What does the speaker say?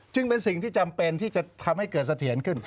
จึงเป็นสิ่งที่จำเป็นที่จะทำให้เกิดเสถียรขึ้น